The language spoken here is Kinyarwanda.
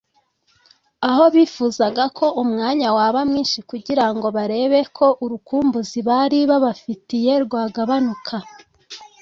aho bifuzaga ko umwanya waba mwinshi kugira ngo barebe ko urukumbuzi bari babafitiye rwagabanuka